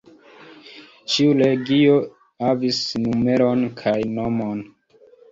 Ĉiu legio havis numeron kaj nomon.